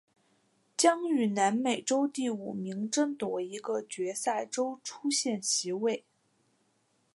将与南美洲第五名争夺一个决赛周出线席位。